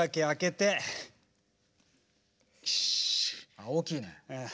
あっおおきいね。